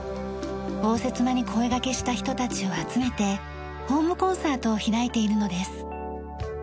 応接間に声掛けした人たちを集めてホームコンサートを開いているのです。